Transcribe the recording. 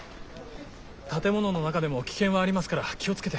建物の中でも危険はありますから気を付けて。